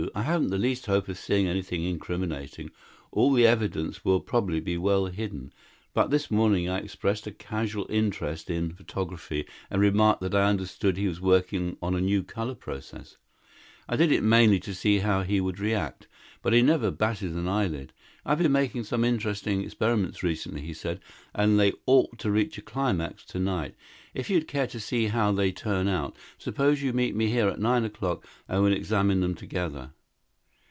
I haven't the least hope of seeing anything incriminating all the evidence will probably be well hidden but this morning I expressed a casual interest in photography and remarked that I understood he was working on a new color process. I did it mainly to see how he would react. But he never batted an eyelid. 'I've been making some interesting experiments recently,' he said, 'and they ought to reach a climax to night. If you'd care to see how they turn out, suppose you meet me here at nine o'clock and we'll examine them together.'"